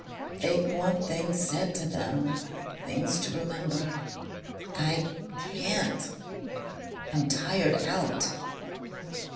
"They'd want things said to them...Things to remember...I CAN'T. I'm tired out."